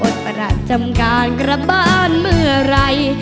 ประหัสจำการกลับบ้านเมื่อไหร่